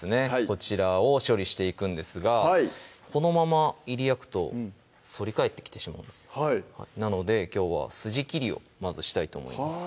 こちらを処理していくんですがはいこのままいり焼くと反り返ってきてしまうんですなのできょうは筋切りをまずしたいと思います